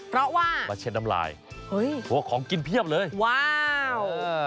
เพราะว่ามาเช็ดน้ำลายเฮ้ยหัวของกินเพียบเลยว้าว